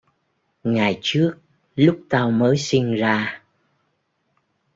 Ngày trước lúc tao mới sinh ra